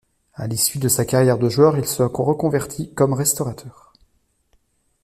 À l'issue de sa carrière de joueur, il se reconvertit comme restaurateur.